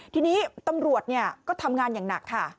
ทีนี้ตำรวจก็ทำงานอย่างหนักค่ะ